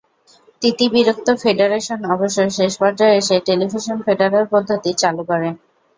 তিতিবিরক্ত federation অবশ্য শেষ পর্যায়ে এসে টেলিভিশন রেফারেল পদ্ধতি চালু করে।